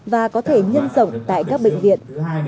và có thể nhân rộng tại các bệnh viện